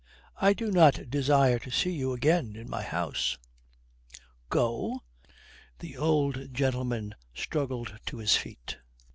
I do not desire to see you again in my house." "Go?" The old gentleman struggled to his feet.